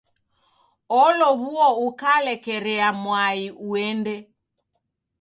Olow'oa ukalekerea mwai uende.